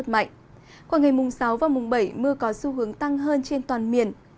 khoảng ngày mùng sáu và mùng bảy mưa có xu hướng tăng hơn trên toàn miền